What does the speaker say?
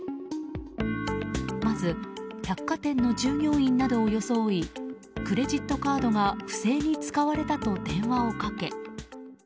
まず百貨店の従業員などを装いクレジットカードが不正に使われたと電話をかけ。